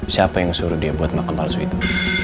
siapa yang suruh dia buat makan palsu itu